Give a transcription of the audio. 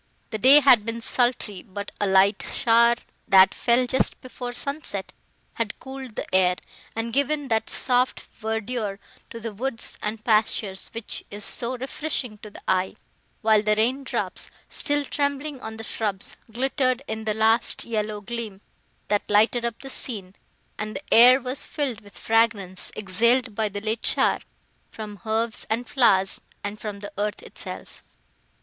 The day had been sultry, but a light shower, that fell just before sunset, had cooled the air, and given that soft verdure to the woods and pastures, which is so refreshing to the eye; while the rain drops, still trembling on the shrubs, glittered in the last yellow gleam, that lighted up the scene, and the air was filled with fragrance, exhaled by the late shower, from herbs and flowers and from the earth itself.